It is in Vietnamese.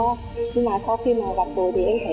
nhưng mà sau khi mà gặp rồi thì em thấy